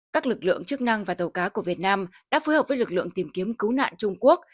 các lực lượng chức năng và tàu cá của việt nam đã phối hợp với lực lượng tìm kiếm cứu nạn trung quốc